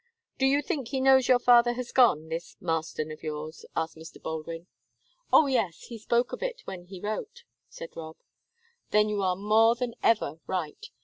Do you think he knows your father has gone, this Marston of yours?" asked Mr. Baldwin. "Oh, yes; he spoke of it when he wrote," said Rob. "Then you are more than ever right.